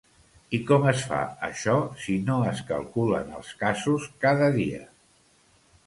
I com es fa això, si no es calculen els casos cada dia?